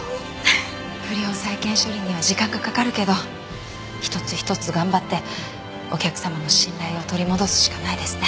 不良債権処理には時間がかかるけど一つ一つ頑張ってお客様の信頼を取り戻すしかないですね。